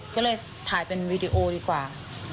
ก็เลยถ่ายเป็นวีดีโอดีกว่า